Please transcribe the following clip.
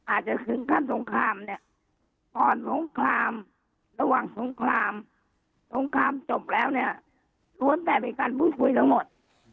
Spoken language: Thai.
อาจจะถึงแค่สงครามตอนสงครามระหว่างสงครามสงครามจบแล้วล้วนแต่เป็นการพูดคุยทั้งหมด